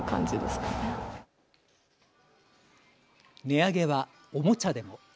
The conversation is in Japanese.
値上げはおもちゃでも。